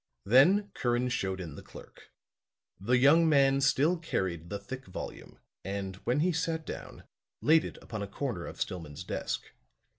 Then Curran showed in the clerk. The young man still carried the thick volume and, when he sat down, laid it upon a corner of Stillman's desk.